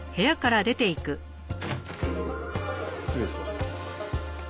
失礼します。